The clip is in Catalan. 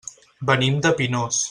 Venim de Pinós.